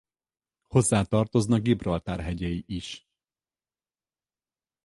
Hozzátartoznak Gibraltár hegyei is.